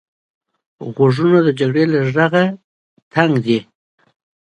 غوږونه له جګړې غږ تنګ دي